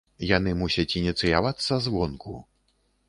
Яны мусяць ініцыявацца звонку.